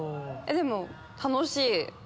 でも楽しい。